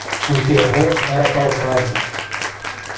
O terror era palpável.